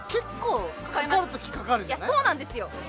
でもさいやそうなんですよ